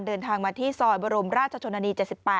เดินทางมาที่ซอยบรมราชชนนานี๗๘